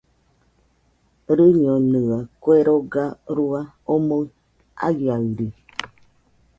Rɨñonɨaɨ, kue roga rua omoɨ aiaɨri.